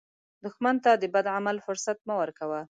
دښمن ته د بد عمل فرصت مه ورکوه